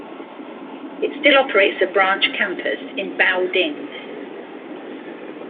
It still operates a branch campus in Baoding.